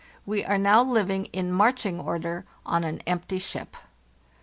We are now living in marching order on an empty ship.